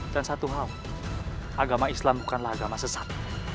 dan satu hal agama islam bukanlah agama sesat